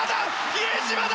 比江島だ！